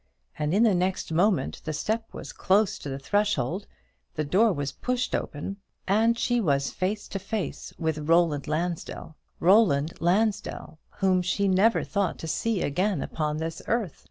And in the next moment the step was close to the threshold, the door was pushed open, and she was face to face with Roland Lansdell; Roland Lansdell, whom she never thought to see again upon this earth!